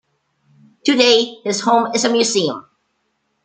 Today his home is a museum.